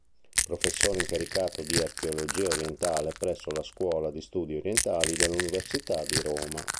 Professore incaricato di Archeologia Orientale presso la Scuola di Studi Orientali dell'Università di Roma.